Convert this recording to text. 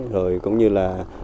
rồi cũng như là